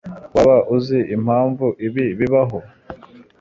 waba uzi impamvu ibi bibaho